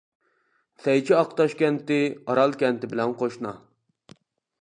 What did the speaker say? سەيچى ئاقتاش كەنتى، ئارال كەنتى بىلەن قوشنا.